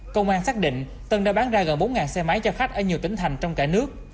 công an xác định tân đã bán ra gần bốn xe máy cho khách ở nhiều tỉnh thành trong cả nước